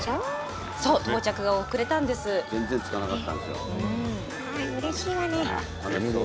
到着が遅れたんです。